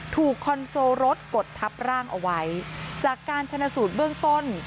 คอนโซลรถกดทับร่างเอาไว้จากการชนะสูตรเบื้องต้น